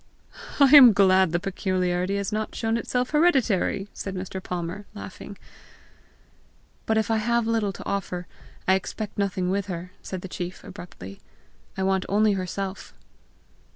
"I am glad the peculiarity has not shown itself hereditary," said Mr. Palmer laughing. "But if I have little to offer, I expect nothing with her," said the chief abruptly. "I want only herself!"